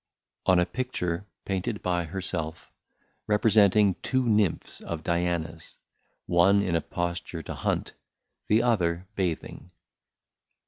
On a Picture Painted by her self, representing two Nimphs of DIANA_'s, one in a posture to Hunt, the other Batheing_.